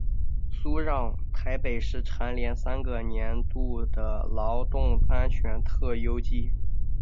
苏让台北市蝉联三个年度的劳动安全特优纪。